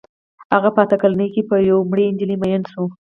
هغه په اته کلنۍ کې په یوې مړې نجلۍ مین شو